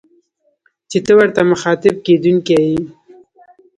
چي ته ورته مخاطب کېدونکی يې